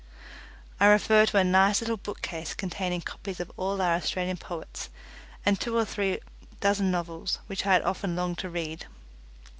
I refer to a nice little bookcase containing copies of all our Australian poets, and two or three dozen novels which I had often longed to read.